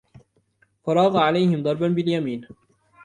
فراغ عليهم ضربا باليمين